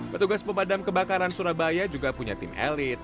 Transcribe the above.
petugas pemadam kebakaran surabaya juga punya tim elit